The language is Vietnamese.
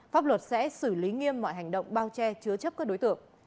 pháp luật sẽ xử lý nghiêm mọi hành động bao che chứa chấp các đối tượng